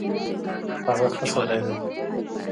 هغه ښه سړی ده